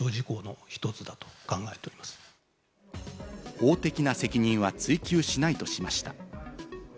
法的な責任は追及しないとしました。